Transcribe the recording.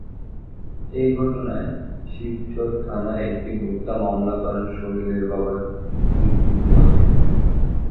এ ঘটনায় শিবচর থানায় একটি হত্যা মামলা করেন সোহেলের বাবা ছিদ্দিক মল্লিক।